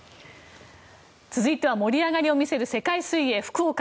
続いては、盛り上がりを見せる世界水泳福岡。